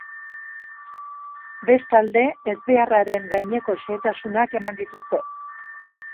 Bestalde, ezbeharraren gaineko xehetasunak eman dituzte.